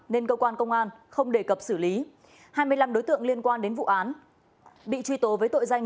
nên cơ quan công an không đề cập xử lý hai mươi năm đối tượng liên quan đến vụ án bị truy tố với tội danh